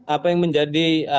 apa yang menjadi